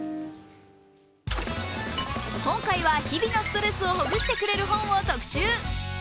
今回は日々のストレスをほぐしてくれる本を特集。